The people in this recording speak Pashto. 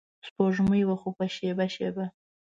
سپوږمۍ وه خو په شیبه شیبه